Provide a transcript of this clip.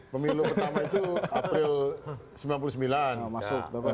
pemilu pertama itu april